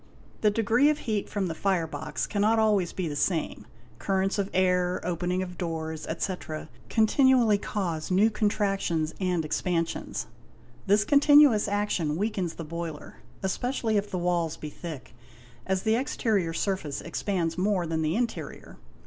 The degree of heat from the fire box cannot be always the same; currents — of air, opening of doors, etc., continually cause new contractions and ex : pansions; this continuous action weakens the boiler, especially if the ~ walls be thick, as the exterior surface expands more than the interior.